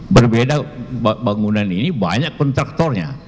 berbeda bangunan ini banyak kontraktornya